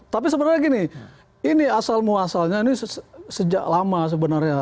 tapi sebenarnya gini ini asal muasalnya ini sejak lama sebenarnya